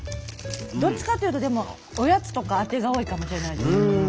どっちかっていうとでもおやつとかアテが多いかもしれないですね。